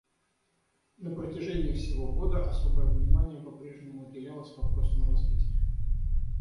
На протяжении всего года особое внимание по прежнему уделялось вопросам развития.